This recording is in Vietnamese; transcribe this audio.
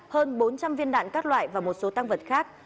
hơn bốn trăm linh viên đạn các loại và một số tăng vật khác